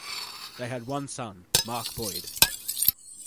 They had one son, Mark Boyd.